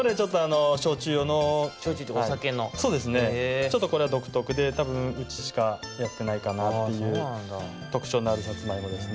ちょっとこれはどくとくでたぶんうちしかやってないかなっていうとくちょうのあるさつまいもですね。